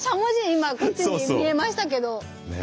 今こっちに見えましたけど。